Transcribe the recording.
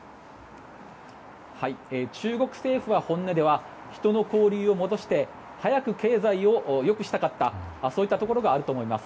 中国政府は本音では人の交流を戻して早く経済をよくしたかったというところがあると思います。